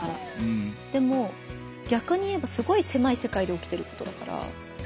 でもぎゃくに言えばすごいせまい世界でおきてることだから。